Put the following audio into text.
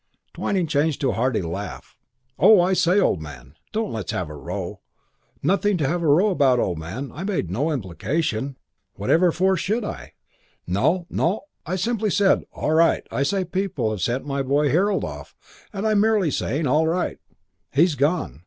Twyning changed to a hearty laugh. "Oh, I say, steady, old man. Don't let's have a row. Nothing to have a row about, old man. I made no implication. Whatever for should I? No, no, I simply said 'All right.' I say people have sent my boy Harold off, and I'm merely saying 'All right. He's gone.